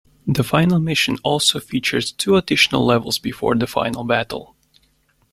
The final Mission also features two additional levels before the final battle.